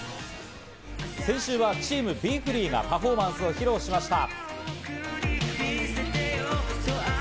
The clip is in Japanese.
先週はチームＢｅＦｒｅｅがパフォーマンスを披露しました。